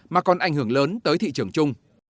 mà còn ảnh hưởng lớn tới thị trường chung